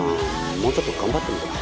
もうちょっと頑張ってみるわ。